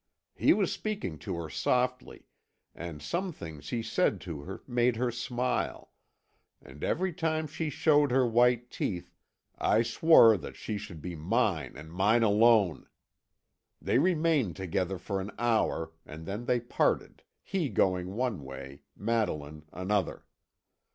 "He was speaking to her softly, and some things he said to her made her smile; and every time she showed her white teeth I swore that she should be mine and mine alone. They remained together for an hour, and then they parted, he going one way, Madeline another.